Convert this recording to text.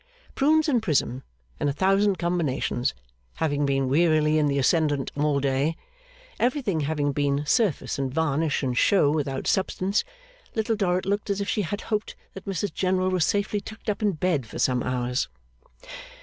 Prunes and Prism, in a thousand combinations, having been wearily in the ascendant all day everything having been surface and varnish and show without substance Little Dorrit looked as if she had hoped that Mrs General was safely tucked up in bed for some hours.